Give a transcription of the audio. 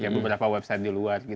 beberapa website di luar